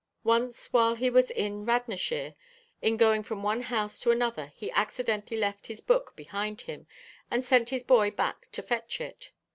Once while he was in Radnorshire, in going from one house to another he accidentally left this book behind him, and sent his boy back to fetch it.